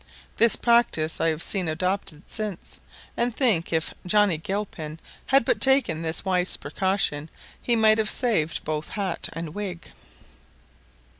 This practice I have seen adopted since, and think if Johnny Gilpin had but taken this wise precaution he might have saved both hat and wig.